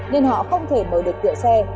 nên họ không thể mở được kiểu xe